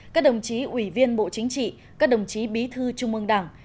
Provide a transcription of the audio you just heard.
các đồng chí ủy viên bộ chính trị các đồng chí bí thư trung ương đảng